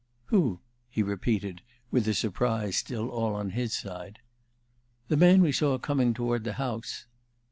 "Who?" he repeated, with the surprise still all on his side. "The man we saw coming toward the house."